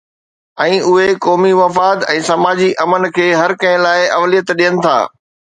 ۽ اهي قومي مفاد ۽ سماجي امن کي هر ڪنهن لاءِ اوليت ڏين ٿا.